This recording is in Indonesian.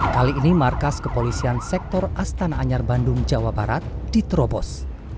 kali ini markas kepolisian sektor astana anyar bandung jawa barat diterobos